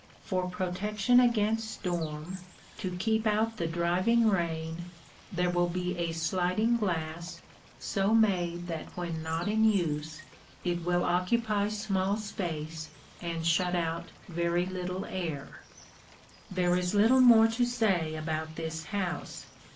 For protection against storm, to keep out the driving rain, there will be a sliding glass, so made that when not in use it will occupy small space and shut out very little air. There is little more to say about this house.